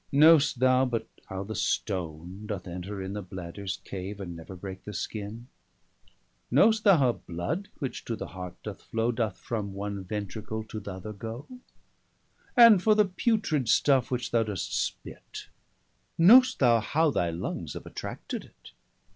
Knowst thou but how the stone doth enter in The bladders cave, and never breake the skinne? 270 Know'st thou how blood, which to the heart doth flow, Doth from one ventricle to th'other goe? And for the putrid stuffe, which thou dost spit, Know'st thou how thy lungs have attracted it?